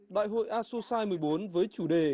đại hội asusai một mươi bốn với chủ đề